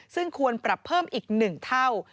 ซึ่งควรปรับเพิ่มอีก๑เท่า